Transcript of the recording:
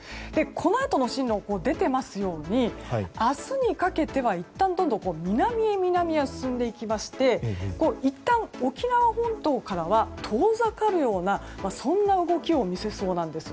このあとの進路が出ていますように明日にかけてはいったん南へ進んでいきましていったん、沖縄本島からは遠ざかるようなそんな動きを見せそうなんです。